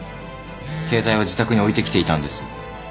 携帯は自宅に置いてきていたんです。